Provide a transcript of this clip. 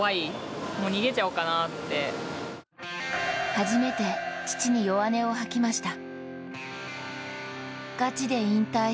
初めて、父に弱音を吐きました。